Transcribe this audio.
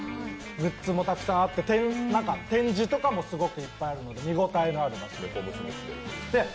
グッズもたくさんあって、展示とかもたくさんあるので見応えのある場所です。